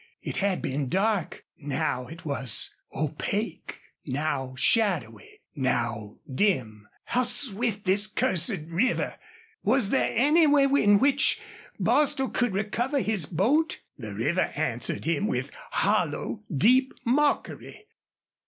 It had been dark; now it was opaque, now shadowy, now dim. How swift this cursed river! Was there any way in which Bostil could recover his boat? The river answered him with hollow, deep mockery.